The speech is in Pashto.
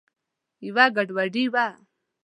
یوه ګډوډي وه.